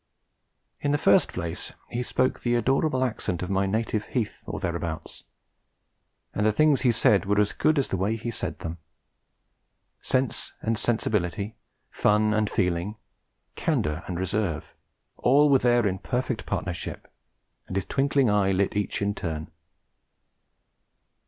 In the first place, he spoke the adorable accent of my native heath or thereabouts; and the things he said were as good as the way he said them. Sense and sensibility, fun and feeling, candour and reserve, all were there in perfect partnership, and his twinkling eyes lit each in turn.